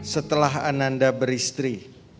setelah ananda beristri